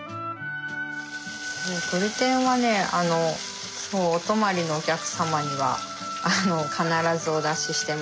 とり天はねお泊まりのお客様には必ずお出ししてますね